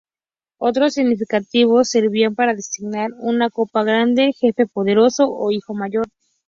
Otros significados servían para designar una "copa grande", "jefe", "poderoso" o "hijo mayor".